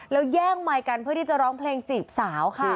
แล้วแย่งไมค์กันเพื่อที่จะร้องเพลงจีบสาวค่ะ